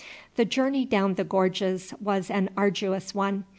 The journey down the gorges was an arduous one.